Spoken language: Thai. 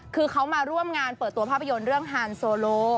คือเขามาร่วมงานเปิดตัวภาพยนตร์เรื่องฮานโซโล